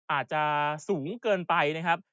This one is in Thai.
อาจจะสูงเกินไปนะครับ